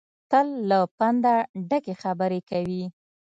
تل له پنده ډکې خبرې کوي.